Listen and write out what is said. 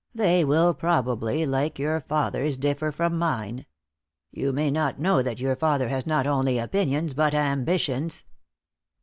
They will probably, like your father's, differ from mine. You may not know that your father has not only opinions, but ambitions."